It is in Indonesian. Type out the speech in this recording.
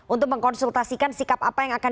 untuk mengkonsultasikan sikap apa yang akan